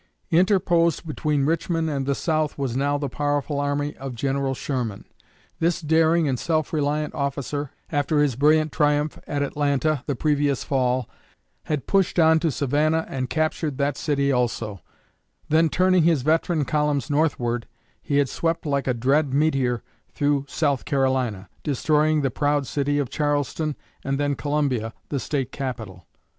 Interposed between Richmond and the South was now the powerful army of General Sherman. This daring and self reliant officer, after his brilliant triumph at Atlanta the previous fall, had pushed on to Savannah and captured that city also; then turning his veteran columns northward, he had swept like a dread meteor through South Carolina, destroying the proud city of Charleston, and then Columbia, the State capital.